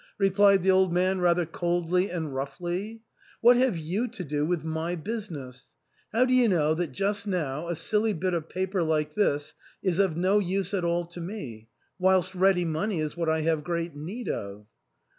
replied the old man rather coldly and roughly, "what have you to do with my business ? How do you know that just now a silly bit of paper like this is of no use at all to me, whilst ready money is what I have great need of